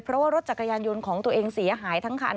เพราะว่ารถจักรยานยนต์ของตัวเองเสียหายทั้งคัน